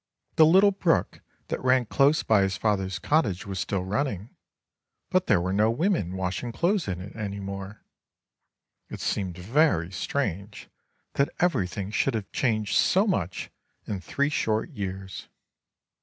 The little brook that ran close by his father's cottage was still running; but there were no women washing clothes in it any more. It seemed very strange that everything should have changed so much in three short years.